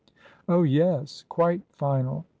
" Oh, yes. Quite final."